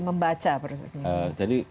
membaca persis jadi